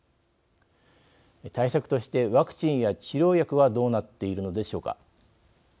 対策として、ワクチンや治療薬はどうなっているのでしょうか。